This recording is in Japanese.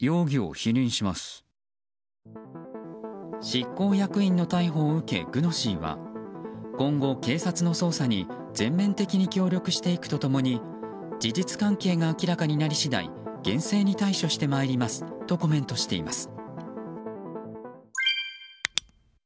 執行役員の逮捕を受けＧｕｎｏｓｙは今後、警察の捜査に全面的に協力していくと共に事実関係が明らかになり次第厳正に対処してまいりますとコメントしています。